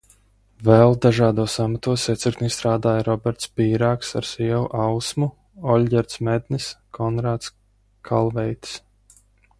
Vēl dažādos amatos iecirknī strādāja Roberts Pīrāgs ar sievu Ausmu, Olģerts Mednis, Konrāds Kalveitis.